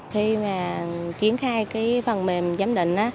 khi mà chuyển khai cái phần mềm giám định